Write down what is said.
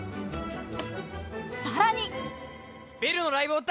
さらに。